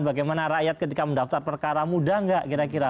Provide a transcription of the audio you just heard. bagaimana rakyat ketika mendaftar perkara mudah nggak kira kira